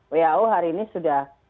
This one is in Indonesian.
who hari ini sudah